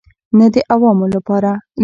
نه د عوامو لپاره.